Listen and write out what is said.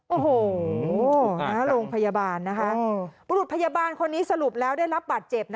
โอ้โหโรงพยาบาลนะคะบุรุษพยาบาลคนนี้สรุปแล้วได้รับบาดเจ็บ